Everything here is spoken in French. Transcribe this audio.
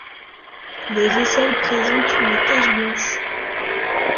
Les aisselles présentent une tache blanche.